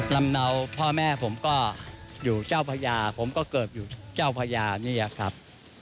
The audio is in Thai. ลำเนาพ่อแม่ผมก็อยู่เจ้าพญาผมก็เกิดอยู่เจ้าพญานี่แหละครับ